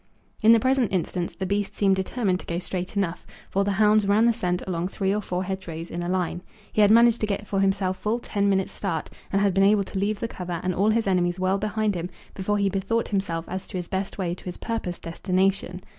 In the present instance the beast seemed determined to go straight enough, for the hounds ran the scent along three or four hedgerows in a line. He had managed to get for himself full ten minutes' start, and had been able to leave the cover and all his enemies well behind him before he bethought himself as to his best way to his purposed destination.